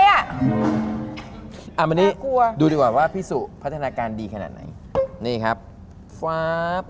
อันนี้ดูดีกว่าว่าพี่สุพัฒนาการดีขนาดไหนนี่ครับฟ้าบ